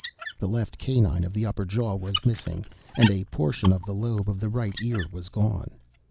The left canine of the upper jaw was missing, and a portion of the lobe of the right ear was gone.